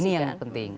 nah ini yang penting